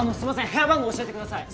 部屋番号教えてください。